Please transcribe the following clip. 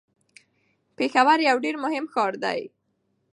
پېښور یو ډیر مهم ښار دی.